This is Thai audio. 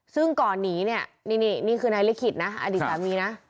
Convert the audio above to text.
ซึ่งก่อนหนีเนี่ยนี่นี่คือนายลิขิตนะอดีตสามีนะ